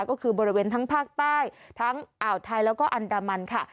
ก็คือบริเวณทั้งภาคใต้ทั้งอ่าวไทยแล้วก็อันดามันค่ะ